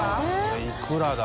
海いくらだ？